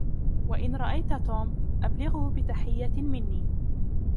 و إن رأيت توم ، أبلغه بتحية مني.